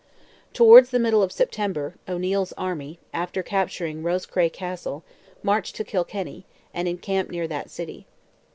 Towards the middle of September, O'Neil's army, after capturing Roscrea Castle, marched to Kilkenny, and encamped near that city.